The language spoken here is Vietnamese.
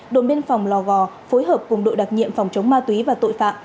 đồn biên phòng lò gò phối hợp cùng đội đặc nhiệm phòng chống ma túy và tội phạm